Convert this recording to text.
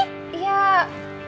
kan gue pikir ini